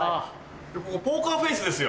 ここポーカーフェイスですよ。